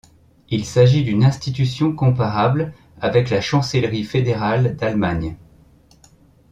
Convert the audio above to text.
Il s'agit d'une institution comparable avec la Chancellerie fédérale d'Allemagne.